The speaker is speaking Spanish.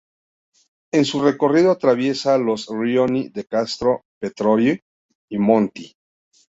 En su recorrido atraviesa los rioni de Castro Pretorio y Monti.